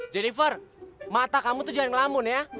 jennifer mata kamu tuh jangan ngelamun ya